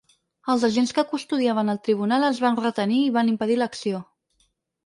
Els agents que custodiaven el tribunal els van retenir i van impedir l’acció.